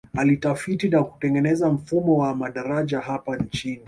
Alitafiti na kutengeneza mfumo wa madaraja hapa nchini